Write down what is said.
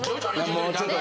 もうちょっと。